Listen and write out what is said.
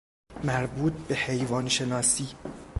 مربوط بحیوان شناسی